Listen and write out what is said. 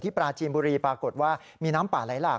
ปราจีนบุรีปรากฏว่ามีน้ำป่าไหลหลาก